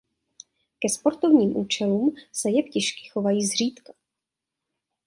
Ke sportovním účelům se jeptišky chovají zřídka.